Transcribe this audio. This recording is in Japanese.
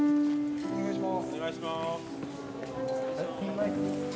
・お願いします。